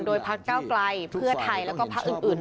โดยพักเก้าไกลเพื่อไทยแล้วก็พักอื่น